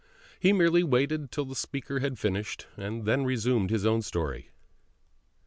He merely waited till the speaker had finished, and then resumed his own story.